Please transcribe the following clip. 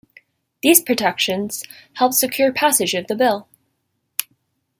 These protections helped secure passage of the bill.